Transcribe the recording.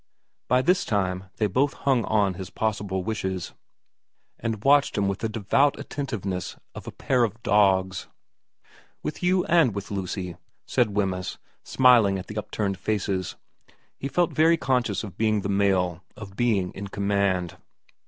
By this time they both hung on his possible wishes, and watched him with the devout attentivenesa of a pair of dogs. ' With you and with Lucy,' said Wemyss, smiling at the upturned faces. He felt very conscious of being the male, of being in command.